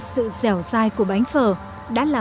dưới sự hướng dẫn của anh rằng